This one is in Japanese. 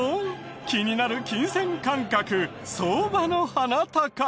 気になる金銭感覚相場のハナタカ。